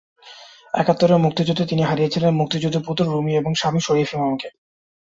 একাত্তরের মুক্তিযুদ্ধে তিনি হারিয়েছিলেন মুক্তিযোদ্ধা পুত্র রুমী এবং স্বামী শরীফ ইমামকে।